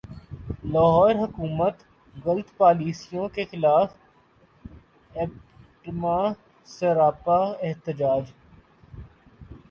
لاہور حکومتی غلط پالیسیوں کیخلاف ایپٹما سراپا احتجاج